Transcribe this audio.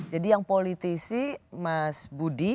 jadi yang politisi mas budi